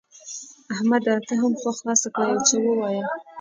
احمده ته هم خوله خلاصه کړه؛ يو څه ووايه.